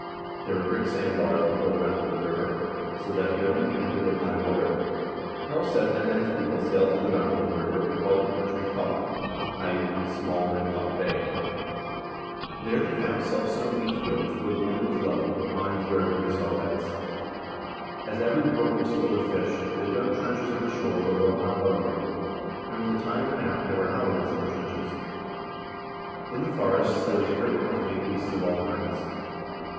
There were great sandbars before the mouth of the river, so that it could only be entered at high water. Karlsevne and his people sailed to the mouth of the river and called the country ' Hop ' (i.e. a small land locked bay). AMERICA DISCOVERED BY THE NORSEMEN 213 There they found self sown wheat fields, where the land was low, but vines wherever they saw heights. As every brook was full of fish, they dug trenches on the shore below high water mark, and when the tide went out, there were halibuts in the trenches. In the forests there was a great quantity of beasts of all kinds.